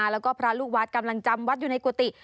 แล้วก็พระลูกวัดกำลังจำวัดอยู่ในกุฏิ